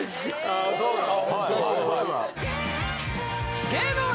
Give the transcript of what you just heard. あそうなん？